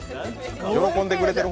喜んでくれてる？